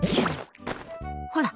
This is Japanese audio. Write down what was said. ほら。